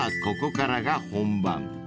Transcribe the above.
ここからが本番］